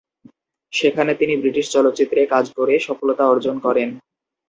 সেখানে তিনি ব্রিটিশ চলচ্চিত্রে কাজ করে সফলতা অর্জন করেন।